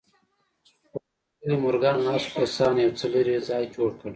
خو ښاغلي مورګان له ناستو کسانو یو څه لرې ځای جوړ کړ